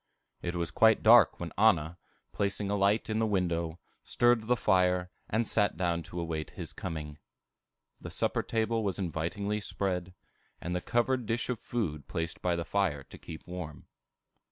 It was quite dark when Anna, placing a light in the window, stirred the fire, and sat down to await his coming. The supper table was invitingly spread, and the covered dish of food placed by the fire to keep warm.